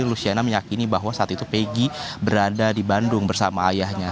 luciana meyakini bahwa saat itu peggy berada di bandung bersama ayahnya